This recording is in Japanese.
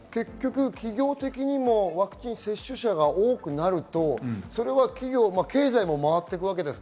企業的にもワクチン接種者が多くなると、経済も回っていくわけです。